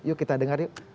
yuk kita dengar yuk